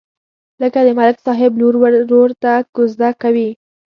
لکه د ملک صاحب لور ورور ته کوزده کوي.